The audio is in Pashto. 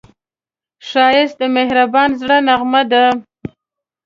ښایست د مهربان زړه نغمه ده